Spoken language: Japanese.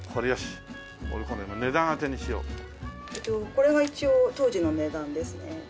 これが一応当時の値段ですね。